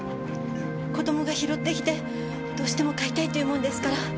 子供が拾ってきてどうしても飼いたいって言うもんですから。